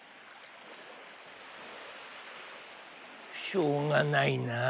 しょうがないな。